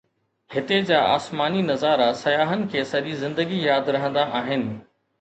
هتي جا آسماني نظارا سياحن کي سڄي زندگي ياد رهندا آهن